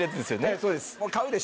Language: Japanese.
そうです。